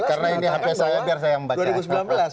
karena ini hape saya biar saya membaca